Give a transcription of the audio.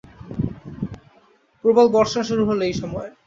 প্রবল বর্ষণ শুরু হলো এই সময়।